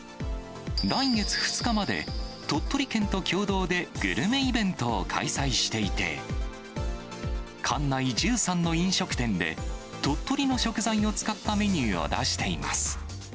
来月２日まで、鳥取県と共同でグルメイベントを開催していて、館内１３の飲食店で、鳥取の食材を使ったメニューを出しています。